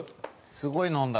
すごい飲んだ。